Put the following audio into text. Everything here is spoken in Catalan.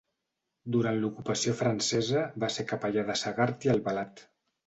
Durant l'ocupació francesa va ser capellà de Segart i Albalat.